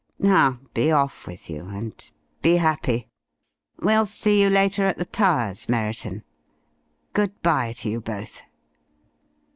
Now be off with you and be happy. We'll see you later at the Towers, Merriton. Good bye to you both."